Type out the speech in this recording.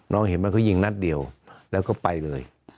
เห็นไหมเขายิงนัดเดียวแล้วก็ไปเลย